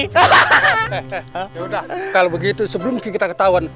yaudah kalau begitu sebelum kita ketahuan